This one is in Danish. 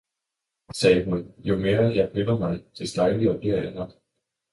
sagde hun, jo mere jeg piller mig, des dejligere bliver jeg nok!